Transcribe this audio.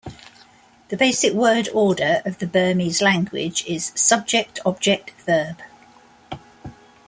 The basic word order of the Burmese language is subject-object-verb.